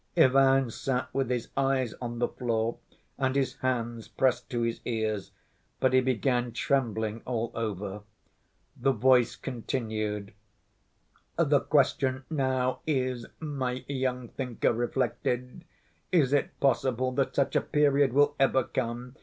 Ivan sat with his eyes on the floor, and his hands pressed to his ears, but he began trembling all over. The voice continued. "The question now is, my young thinker reflected, is it possible that such a period will ever come?